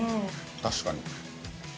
◆確かに。